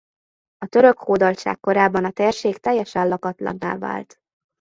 A török hódoltság korában a térség teljesen lakatlanná vált.